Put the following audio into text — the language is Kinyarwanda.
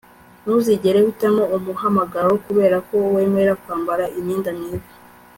ntuzigere uhitamo umuhamagaro kubera ko wemera kwambara imyenda myiza